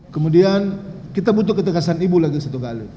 kemudian kita butuh ketegasan ibu lagi satu kali